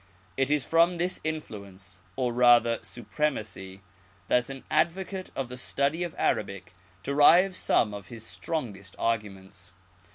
It is from this influence, or rather supremacy, that an advocate of the study of Arabic derives some of his strongest arguments.